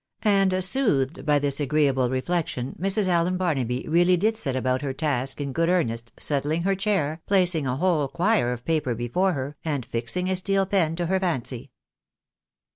" And soothed by this agreeable reflection, Mrs. Allen Barnaby really did set about her task in good earnest, settling her chair, placing a whole quire of paper before her, and fixing a steel pen to her fancy.